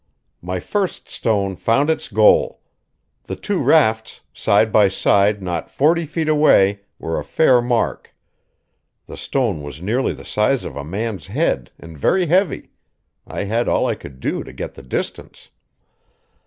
My first stone found its goal. The two rafts, side by side not forty feet away, were a fair mark. The stone was nearly the size of a man's head and very heavy; I had all I could do to get the distance.